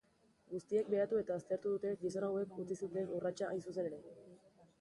Guztiek behatu eta aztertu dute gizon hauek utzi zuten urratsa hain zuzen ere.